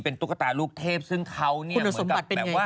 เป็นตุ๊กตาลูกเทพซึ่งเขาเนี่ยเหมือนกับแบบว่า